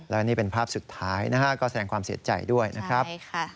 และนี่เป็นภาพสุดท้ายนะฮะก็แสดงความเสียใจด้วยนะครับ